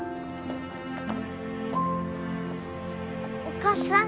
お母さん。